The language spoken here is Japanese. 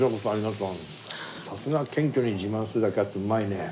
さすが謙虚に自慢するだけあってうまいね。